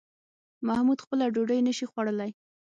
محمود خپله ډوډۍ نشي خوړلی